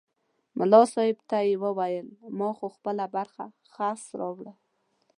ملا صاحب ته یې وویل ما خو خپله برخه خس راوړل.